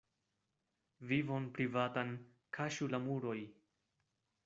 Vivon privatan kaŝu la muroj.